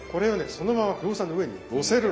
そのままギョーザの上にのせる。